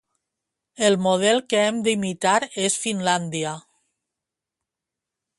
El model que hem d'imitar és Finlàndia.